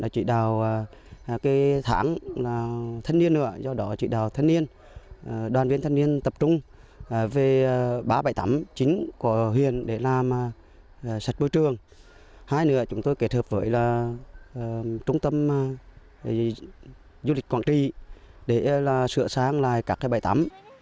chúng tôi kết hợp với trung tâm du lịch quảng trị để sửa sáng lại các bãi tắm